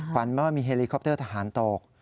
มาว่ามีเฮลีคอปเตอร์ทหารตก